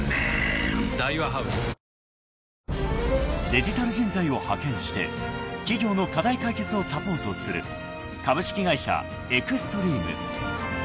［デジタル人材を派遣して企業の課題解決をサポートする株式会社エクストリーム］